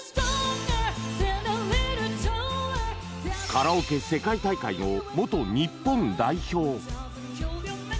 カラオケ世界大会の元日本代表。